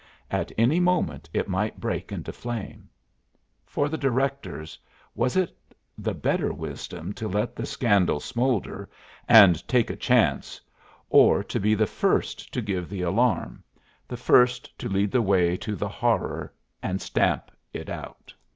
At any moment it might break into flame. For the directors, was it the better wisdom to let the scandal smoulder, and take a chance, or to be the first to give the alarm, the first to lead the way to the horror and stamp it out?